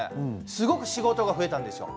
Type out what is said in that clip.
すごく仕事が増えたんですよ